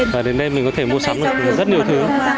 và đến đây mình có thể mua sắm được rất nhiều thứ